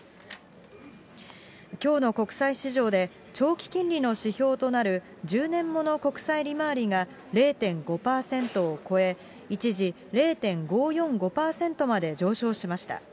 きょうの国債市場で、長期金利の指標となる１０年物国債利回りが０．５％を超え、一時０．５４５％まで上昇しました。